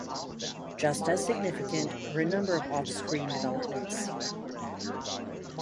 Just as significant were a number of offscreen developments.